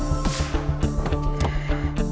sama rambut lo yang dulu